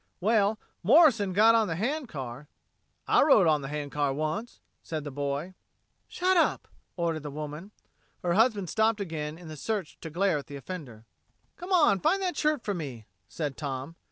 "Well, Morrison got on the hand car." "I rode on the hand car once," said the boy. "Shut up!" ordered the woman. Her husband stopped again in the search to glare at the offender. "Come on, find that shirt for me," said Tom.